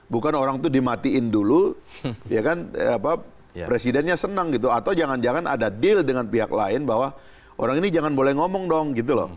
bukan orang itu dimatiin dulu presidennya senang gitu atau jangan jangan ada deal dengan pihak lain bahwa orang ini jangan boleh ngomong dong gitu loh